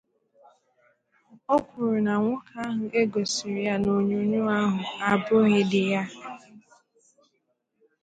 O kwuru na nwoke ahụ e gosiri na onyonyoo ahụ abụghịdị ya